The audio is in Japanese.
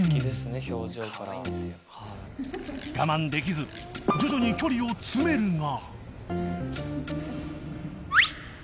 ［我慢できず徐々に距離を詰めるが］